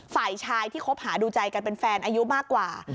ฝ่ายชายที่คบหาดูใจกันเป็นแฟนอายุมากกว่า